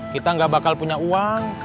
kita gak bakal punya uang